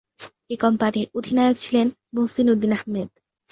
এই কোম্পানির অধিনায়ক ছিলেন মহসীন উদ্দীন আহমেদ।